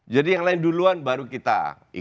jadi yang lain duluan baru kita ikutan